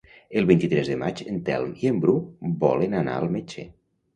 El vint-i-tres de maig en Telm i en Bru volen anar al metge.